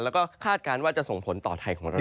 แล้วก็คาดการณ์ว่าจะส่งผลต่อไทยของเรา